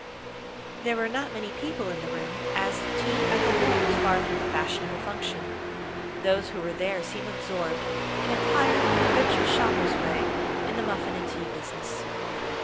There were not many people in the room, as tea at the Lorne was far from a fashionable function. Those who were there seemed absorbed, in a tired, provincial shoppers' way, in the muffin and tea business.